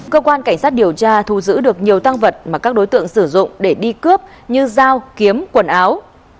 cơ quan cảnh sát điều tra thu giữ được nhiều tăng vật mà các đối tượng sử dụng để đi cướp như dao kiếm quần áo